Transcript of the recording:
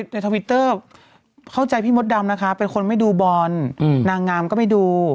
ทวิตเตอร์เข้าใจพี่มดดำนะคะเป็นคนไม่ดูบอลนางงามก็ไม่ดู